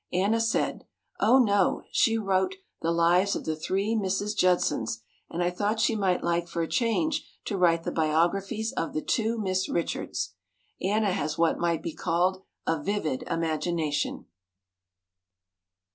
Anna said, "Oh, no; she wrote the lives of the three Mrs. Judsons and I thought she might like for a change to write the biographies of the 'two Miss Richards.'" Anna has what might be called a vivid imagination.